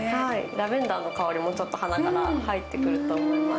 ラベンターの香りもちょっと鼻から入ってくると思います。